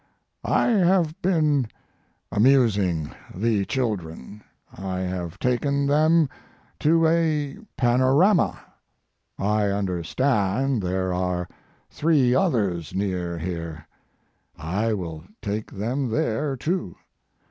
I have been amusing the children. I have taken them to a panorama. I understand there are three others near here. I will take them there too.